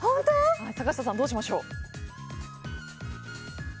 坂下さん、どうしましょう。